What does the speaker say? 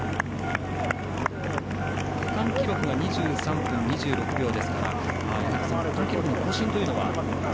区間記録が２３分２６秒ですから区間記録の更新というのは？